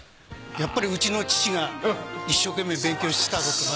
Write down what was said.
やっぱりうちの父が一生懸命勉強してたことが。